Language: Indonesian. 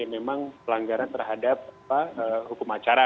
memang pelanggaran terhadap hukum acara